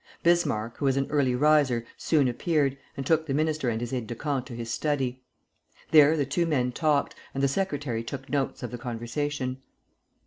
Bismarck, who was an early riser, soon appeared, and took the minister and his aide de camp to his study. There the two men talked, and the secretary took notes of the conversation.